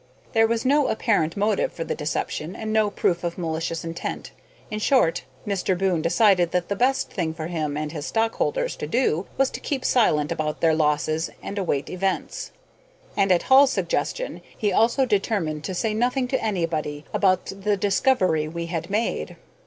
There was no apparent motive for the deception, and no proof of malicious intent. In short, Mr. Boon decided that the best thing for him and his stockholders to do was to keep silent about their losses and await events. And, at Hall's suggestion, he also determined to say nothing to anybody about the discovery we had made.